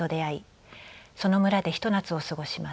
その村で一夏を過ごします。